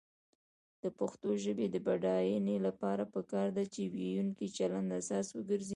د پښتو ژبې د بډاینې لپاره پکار ده چې ویونکو چلند اساس وګرځي.